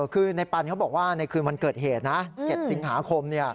คือในปันเขาบอกว่าในคืนวันเกิดเหตุนะ๗สิงหาคม